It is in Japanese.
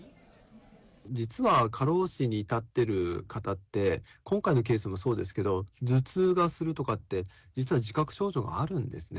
実は過労死に至っている方って今回のケースもそうですが頭痛がするとかって実は自覚症状があるんですね。